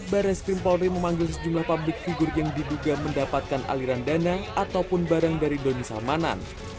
bares krim polri memanggil sejumlah publik figur yang diduga mendapatkan aliran dana ataupun barang dari doni salmanan